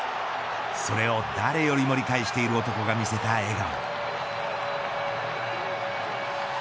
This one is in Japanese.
それを誰よりも理解している男が見せた笑顔。